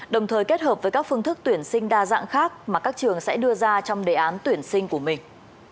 đồng thời kết hợp với các phương thức tuyển sinh đa dạng khác mà các trường sẽ đưa ra trong đề án tuyển sinh của mình